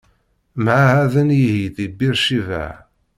Mɛahaden ihi di Bir Cibaɛ.